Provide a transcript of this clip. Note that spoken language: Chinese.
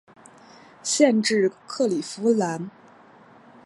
县治克里夫兰。